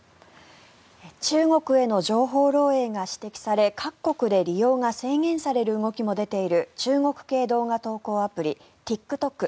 中国への情報漏えいが指摘され各国で利用が制限される動きも出ている中国系動画投稿アプリＴｉｋＴｏｋ。